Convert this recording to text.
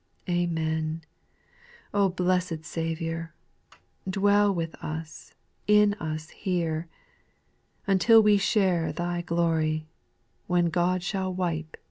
6. Amen, O blessed Saviour, Dwell with us, in us here, Until we share Thy glory, When God shall wipe eiv.